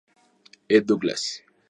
E. Douglass.